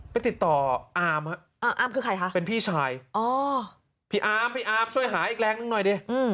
ไปติดต่ออาร์มค่ะเป็นพี่ชายพี่อาร์มช่วยหาอีกแรงนึงหน่อยดิ